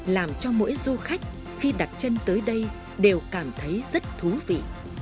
làm cho mỗi du khách khi đặt chân tới đây đều cảm thấy rất thú vị